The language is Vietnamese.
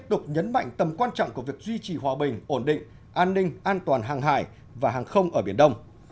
đồng quan trọng của việc duy trì hòa bình ổn định an ninh an toàn hàng hải và hàng không ở biển đông